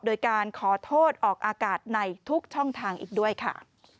โดยการขอโทษออกอากาศในทุกช่องทางอีกด้วยค่ะ